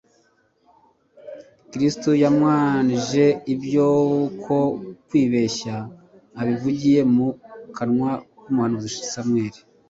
Kristo yamwanije iby'uko kwibeshya abivugiye mu kanwa k'mnuhanuzi Samweli